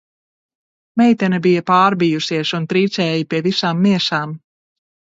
Meitene bija pārbijusies un trīcēja pie visām miesām